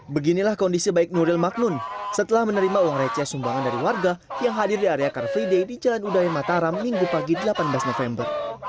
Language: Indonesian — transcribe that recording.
beginilah kondisi baik nuril magnun setelah menerima uang receh sumbangan dari warga yang hadir di area car free day di jalan udaya mataram minggu pagi delapan belas november